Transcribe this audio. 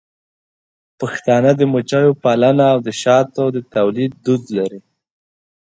پښتانه د مچیو پالنه او د شاتو د تولید دود لري.